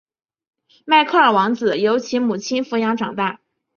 迈克尔王子由其母亲抚养长大。